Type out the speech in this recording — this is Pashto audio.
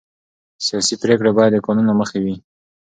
سیاسي پرېکړې باید د قانون له مخې وي